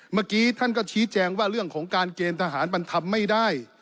เมื่อกี้ท่านก็ชี้แจงว่าเรื่องของการเกณฑ์ทหารมันทำไม่ได้